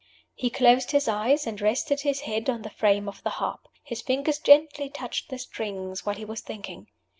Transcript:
He closed his eyes and rested his head on the frame of the harp. His fingers gently touched the strings while he was thinking.